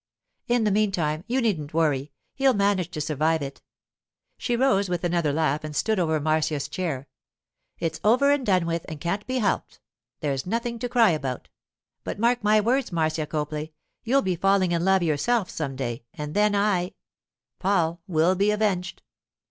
In the meantime, you needn't worry; he'll manage to survive it.' She rose with another laugh and stood over Marcia's chair. 'It's over and done with, and can't be helped; there's nothing to cry about. But mark my words, Marcia Copley, you'll be falling in love yourself some day, and then I—Paul will be avenged.